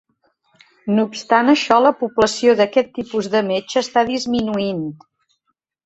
No obstant això, la població d'aquest tipus de metge està disminuint.